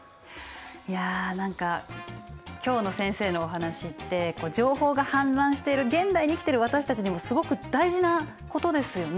いや何か今日の先生のお話って情報が氾濫している現代に生きてる私たちにもすごく大事なことですよね。